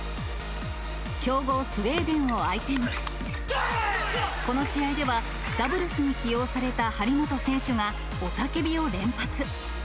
強豪スウェーデンを相手に、この試合では、ダブルスに起用された張本選手が、雄たけびを連発。